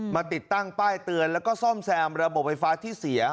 ติดตั้งป้ายเตือนแล้วก็ซ่อมแซมระบบไฟฟ้าที่เสีย